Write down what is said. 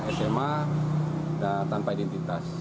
kepala sma tanpa identitas